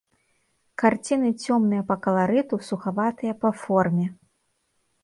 Карціны цёмныя па каларыту, сухаватыя па форме.